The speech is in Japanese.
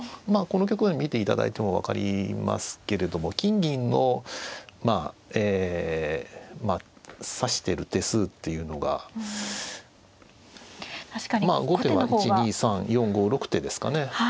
この局面を見て頂いても分かりますけれども金銀の指してる手数っていうのが後手は１２３４５６手ですかね。